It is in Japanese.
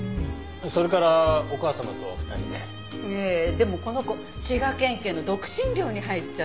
でもこの子滋賀県警の独身寮に入っちゃって。